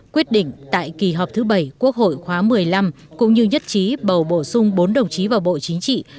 quyết định tại kỳ họp thứ bảy quốc hội khóa một mươi năm cũng như nhất trí bầu bổ sung bốn đồng chí vào bộ chính trị